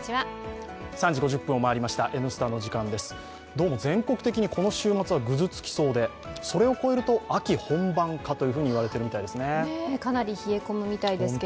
どうも全国的にこの週末はぐずつきそうでそれを越えると秋本番かと言われているそうですね。